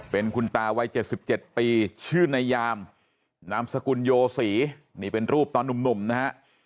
เป็นคุณตาวัย๗๗ปีชื่อในยามนามสกุลโยศรีนี่เป็นรูปตอนหนุ่มนะฮะ